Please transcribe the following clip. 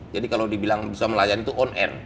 jadi kalau dibilang bisa melayani itu on air